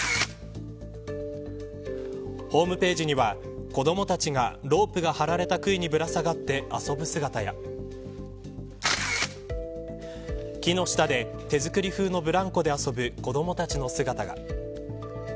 ホームページ人は子どもたちがロープが張られた杭にぶら下がって遊ぶ姿や木の下で手作り風のブランコで遊ぶ子どもたちの姿が。